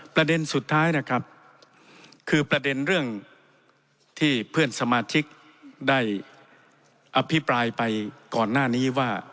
ประเด็นสุดท้ายนะครับคือประเด็นเรื่องที่เพื่อนสมาชิกได้อภิปรายไปก่อนหน้านี้ว่า